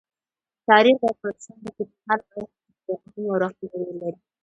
تاریخ د افغانستان د اوږدمهاله پایښت لپاره یو مهم او رغنده رول لري.